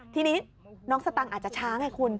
ทีนี้น้องสตังอาจจะช้างให้คุณ